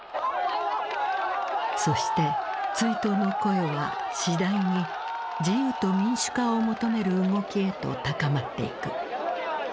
そして追悼の声は次第に自由と民主化を求める動きへと高まっていく。